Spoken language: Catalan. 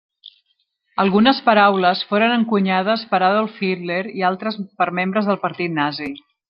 Algunes paraules foren encunyades per Adolf Hitler i altres per membres del partit nazi.